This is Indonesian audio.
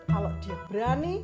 kalau dia berani